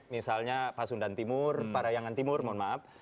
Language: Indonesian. misalnya pasundan timur parayangan timur mohon maaf